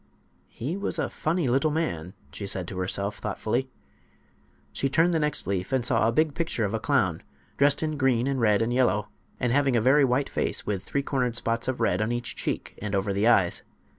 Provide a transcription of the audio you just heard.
"He was a funny little man," she said to herself, thoughtfully. She turned the next leaf, and saw a big picture of a clown, dressed in green and red and yellow, and having a very white face with three cornered spots of red on each cheek and over the eyes.